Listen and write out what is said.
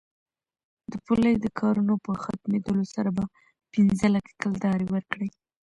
د پولې د کارونو په ختمېدلو سره به پنځه لکه کلدارې ورکړي.